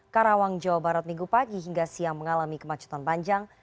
karawang jawa barat minggu pagi hingga siang mengalami kemacetan panjang